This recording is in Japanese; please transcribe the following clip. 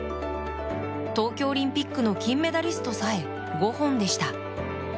東京オリンピックの金メダリストでさえ５本でした。